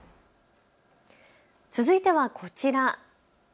続いてはこちら。